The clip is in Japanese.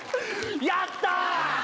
やった！